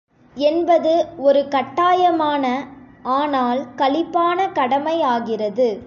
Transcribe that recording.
என்பது ஒரு கட்டாயமான, ஆனால் களிப்பான கடமையாகிறது.